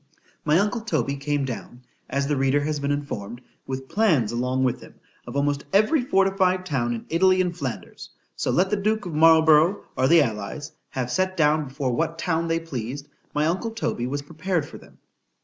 My uncle Toby came down, as the reader has been informed, with plans along with him, of almost every fortified town in Italy and Flanders; so let the duke of Marlborough, or the allies, have set down before what town they pleased, my uncle Toby was prepared for them.